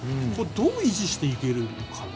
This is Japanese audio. どう維持していけるのかな。